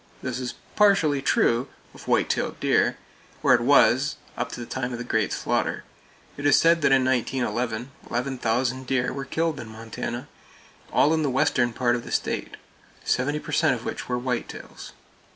This is partially true of white tailed deer, or it was up to the time of great slaughter. It is said that in 1911, 11,000 deer were killed in Montana, all in the western part of the state, seventy per cent of which were white tails.